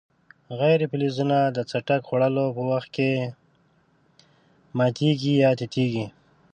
غیر فلزونه د څټک خوړلو په وخت کې ماتیږي یا تیتیږي.